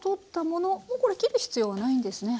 もうこれ切る必要はないんですね。